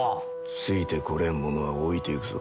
ついてこれん者は置いていくぞ。